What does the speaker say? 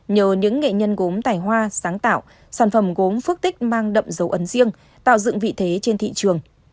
nhờ những nghệ nhân gốm tài hoa sáng tạo sản phẩm gốm phước tích mang đậm dấu ấn riêng tạo dựng vị thế trên thị trường